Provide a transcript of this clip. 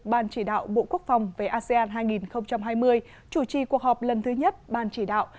ban chỉ đạo bộ quốc phòng về asean hai nghìn hai mươi chủ trì cuộc họp lần thứ nhất ban chỉ đạo